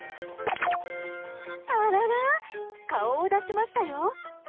あらら、顔を出しましたよ。